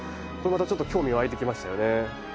これまたちょっと興味湧いてきましたよね。